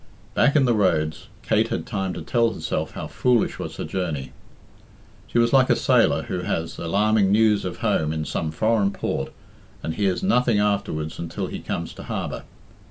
Back in the roads Kate had time to tell herself how foolish was her journey. She was like a sailor who has alarming news of home in some foreign port and hears nothing afterwards until he comes to harbour.